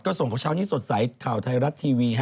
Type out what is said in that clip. ก็ส่งกับเช้านี้สดใสข่าวไทยรัฐทีวีฮะ